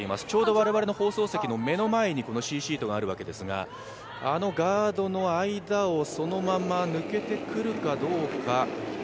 ちょうど我々の放送席の前にＣシートがあるわけですがあのガードの間をそのまま抜けてくるかどうか。